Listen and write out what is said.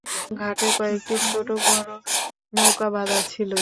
ঘাটে কয়েকটি ছোট বড় নৌকা বাধা ছিল।